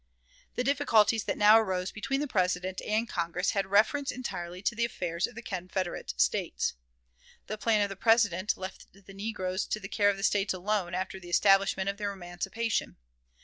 The difficulties that now arose between the President and Congress had reference entirely to the affairs of the Confederate States. The plan of the President left the negroes to the care of the States alone after the establishment of their emancipation.